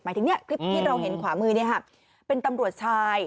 ถึงคลิปที่เราเห็นขวามือเป็นตำรวจชาย